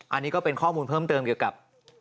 อันนี้ก็เป็นข้อมูลเพิ่มเติมเกี่ยวกับ